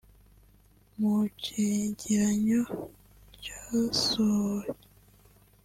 Mu cegeranyo casohoye